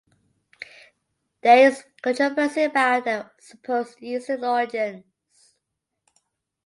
There is controversy about their supposed Eastern origins.